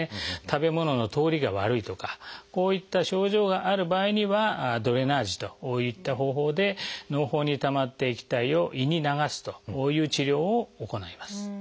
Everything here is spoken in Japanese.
食べ物の通りが悪いとかこういった症状がある場合にはドレナージといった方法でのう胞にたまった液体を胃に流すという治療を行います。